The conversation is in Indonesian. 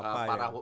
nah apa ya